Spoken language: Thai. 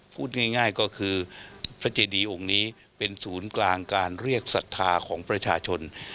พูดง่ายก็คือพระเจดีองค์นี้เป็นศูนย์กลางการเรียกศรัทธาของประชาชน